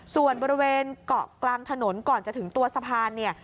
ส่วนบริเวณเกาะกลางถนนก่อนจะถึงตัวสะพานเนี่ย